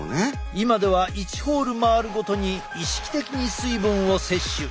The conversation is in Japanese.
今では１ホール回るごとに意識的に水分を摂取。